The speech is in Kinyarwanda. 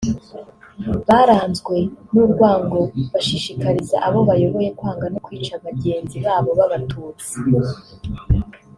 baranzwe n’urwango bashishikariza abo bayoboye kwangana no kwica bagenzi babo b’Abatutsi